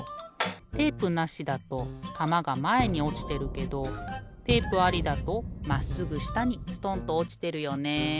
テープなしだとたまがまえにおちてるけどテープありだとまっすぐしたにストンとおちてるよね。